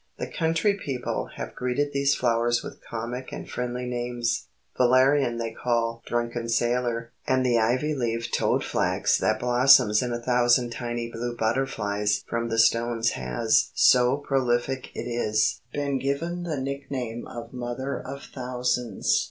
The country people have greeted these flowers with comic and friendly names. Valerian they call "drunken sailor," and the ivy leaved toad flax that blossoms in a thousand tiny blue butterflies from the stones has (so prolific it is) been given the nickname of "mother of thousands."